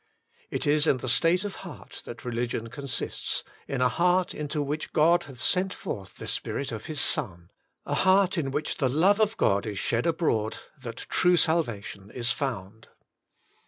^' It is in the state of heart that religion consists, in a heart into which God hath sent forth the Spirit of His Son, a heart in which the love of God is shed abroad, that true salvation is found.